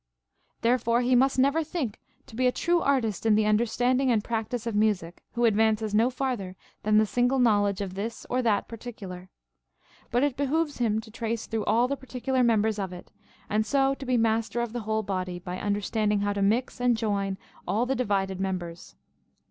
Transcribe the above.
*] Therefore he must never think to be a true artist in the un derstanding and practice of music, who advances no fartlier than the single knowledge of this or that particular : but it behooves him to trace through all the particular members of it, and so to be master of the whole body, by under standing how to mix and join all the divided members.